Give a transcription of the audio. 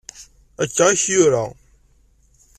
Akka i k-yura.